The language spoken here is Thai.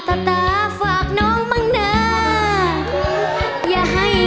มันง่ายเกินไปใช่ไหม